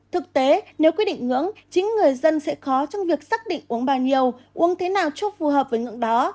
thực tế nếu quyết định ngưỡng chính người dân sẽ khó trong việc xác định uống bao nhiêu uống thế nào chúc phù hợp với ngưỡng đó